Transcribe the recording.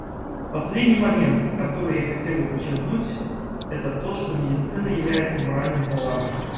Последний момент, который я хотел бы подчеркнуть, это то, что медицина является моральным товаром.